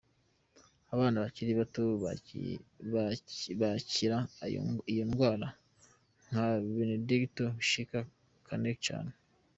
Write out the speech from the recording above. Abana bakiri bato bakira iyo ngwara nka Benedicte, bishika gake cane.